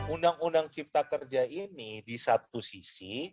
undang undang cipta kerja ini di satu sisi